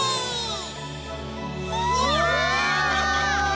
うわ！